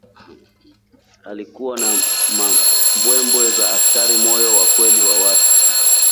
Alikuwa na mbwembwe za askari, moyo wa kweli wa watu